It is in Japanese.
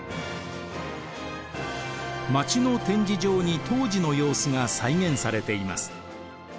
街の展示場に当時の様子が再現されています。